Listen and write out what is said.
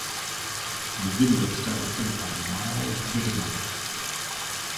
The video was directed by Myles Whittingham.